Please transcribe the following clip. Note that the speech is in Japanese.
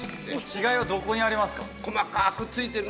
違いはどこにありますか？